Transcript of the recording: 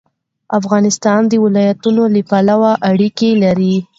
افغانستان د ولایتونو له پلوه اړیکې لري.